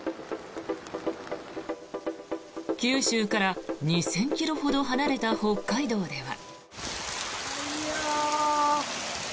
九州から２０００ｋｍほど離れた北海道では。